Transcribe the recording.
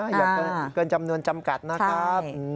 อย่าเกินจำนวนจำกัดนะครับ